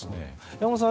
山本さん